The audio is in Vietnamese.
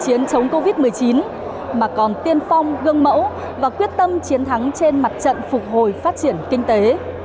chiến chống covid một mươi chín mà còn tiên phong gương mẫu và quyết tâm chiến thắng trên mặt trận phục hồi phát triển kinh tế